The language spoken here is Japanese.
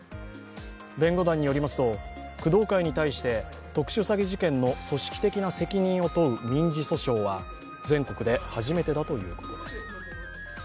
弁護団によりますと工藤会に対して特殊詐欺事件の組織的な責任を問う民事訴訟は全国で初めてだということです。